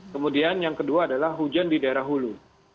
kemudian yang kedua adalah hujan di daerah hulu